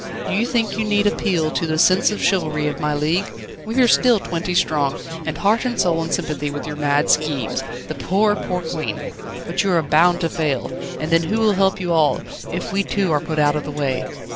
Do you think you need appeal to the sense of chivalry of my league? We are still twenty strong, and heart and soul in sympathy with your mad schemes. The poor, poor Queen! But you are bound to fail, and then who will help you all, if we too are put out of the way?"